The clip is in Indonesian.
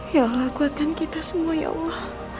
ya allah kuatkan kita semua ya allah